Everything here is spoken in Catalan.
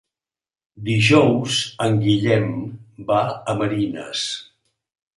Dijous en Guillem va a Marines.